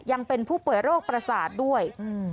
ยังเป็นผู้ป่วยโรคประสาทด้วย